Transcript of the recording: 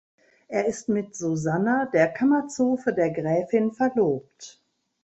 Er ist mit Susanna, der Kammerzofe der Gräfin, verlobt.